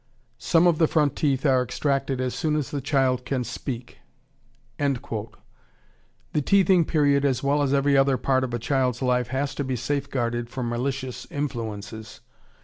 Some of the front teeth are extracted as soon as the child can speak." The teething period as well as every other part of a child's life has to be safe guarded from malicious influences.